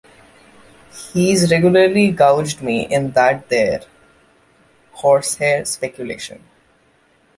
He's regularly gouged me in that there horsehair speculation.